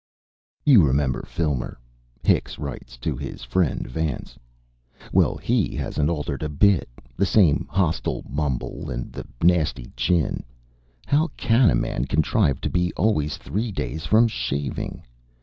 "You remember Filmer," Hicks writes to his friend Vance; "well, HE hasn't altered a bit, the same hostile mumble and the nasty chin how CAN a man contrive to be always three days from shaving?